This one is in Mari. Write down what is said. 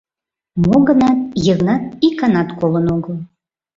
Мо-гынат Йыгнат иканат колын огыл.